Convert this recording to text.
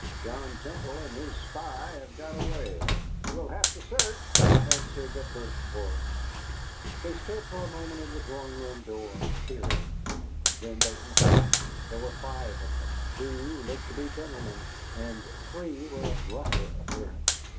"John Temple and his spy have got away." "We'll have a search," answered the first voice. They stood for a moment in the drawing room door, peering, and then they entered. There were five of them. Two looked to be gentlemen, and three were of rougher appearance.